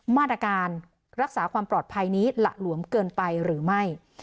มาตรการรักษาความปลอดภัยนี้หละหลวมเกินไปหรือไม่